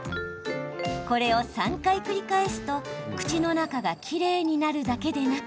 これを３回繰り返すと口の中がきれいになるだけなく。